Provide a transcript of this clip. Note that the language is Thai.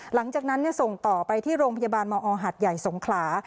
หลังจากนั้นส่งต่อไปที่โรงพยาบาลมอหัดใหญ่สงขลา